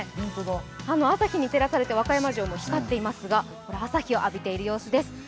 朝日に照らされて和歌山城も光っていますが、これは朝日を浴びている様子です。